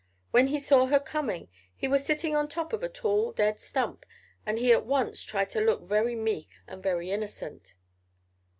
When he saw her coming he was sitting on top of a tall dead stump and he at once tried to look very meek and very innocent.